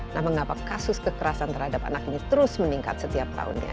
nah mengapa kasus kekerasan terhadap anak ini terus meningkat setiap tahunnya